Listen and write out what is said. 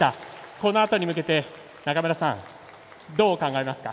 このあとに向けて中村さんどう考えますか。